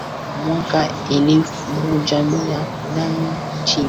Mwaka elfu moja mia nane tisini na nane Wamatumbi wakagundua mbinu nyingine